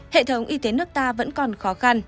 hệ thống y tế nước ta vẫn còn khó khăn